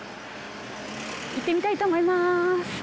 行ってみたいと思います。